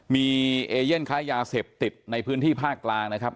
มีเอเย่นค้ายาเสพติดในพื้นที่ภาคกลางนะครับ